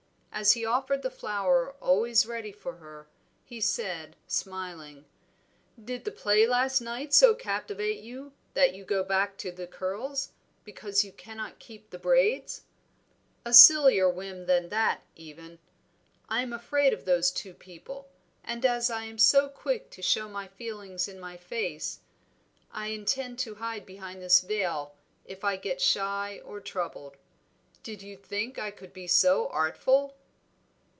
As he offered the flower always ready for her, he said smiling "Did the play last night so captivate you, that you go back to the curls, because you cannot keep the braids?" "A sillier whim than that, even. I am afraid of those two people; and as I am so quick to show my feelings in my face, I intend to hide behind this veil if I get shy or troubled. Did you think I could be so artful?"